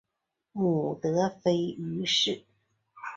母德妃俞氏。